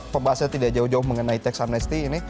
pembahasannya tidak jauh jauh mengenai teks amnesti ini